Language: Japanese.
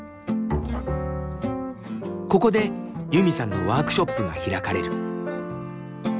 ここでユミさんのワークショップが開かれる。